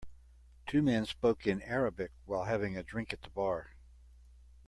Two men spoke in Arabic while having a drink at the bar.